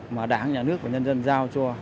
mà đảng nhà nước và nhân dân giao cho